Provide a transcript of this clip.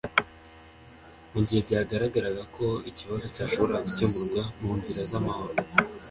mu gihe byagaragaraga ko ikibazo cyashoboraga gukemurwa mu nzira z'amahoro